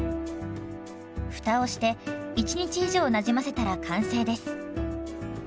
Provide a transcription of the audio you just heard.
蓋をして１日以上なじませたら完成です。